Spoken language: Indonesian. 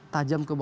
tajam ke bawah